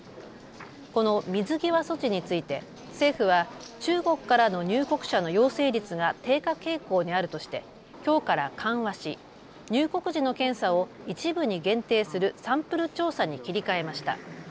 この水際措置について、政府は中国からの入国者の陽性率が低下傾向にあるとしてきょうから緩和し入国時の検査を一部に限定するサンプル調査に切り替えました。